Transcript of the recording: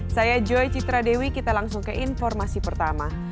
saya joy citradewi kita langsung ke informasi pertama